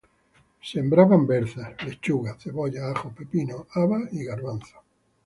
Sembraban berzas, lechugas, cebollas, ajos, pepino, habas y garbanzos.